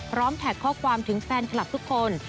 แท็กข้อความถึงแฟนคลับทุกคน